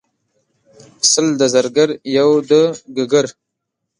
سل د زرګر یو دګګر.